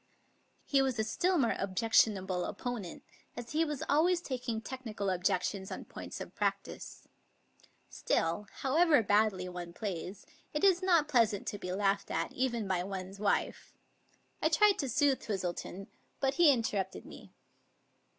He was a still more objectionable opponent, as he was always taking technical objections on points of practice. Still, however badly one plays, it is not pleasant to be laughed at, even by one's wife. I tried to soothe Twistleton, but he interrupted me.